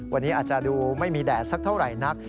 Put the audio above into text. วันนี้อาจจะดูไม่มีแดดสักเท่าไหร่นัก